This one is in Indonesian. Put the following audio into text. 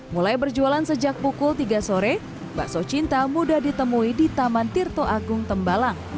mulai berjualan sejak pukul tiga sore bakso cinta mudah ditemui di taman tirto agung tembalang